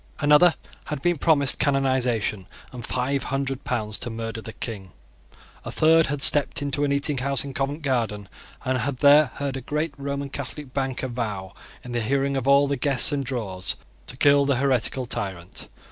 Another had been promised canonisation and five hundred pounds to murder the King. A third had stepped into an eating house in Covent Garden, and had there heard a great Roman Catholic banker vow, in the hearing of all the guests and drawers, to kill the heretical tyrant.